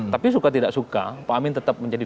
tapi suka tidak suka pak amin tetap menjadi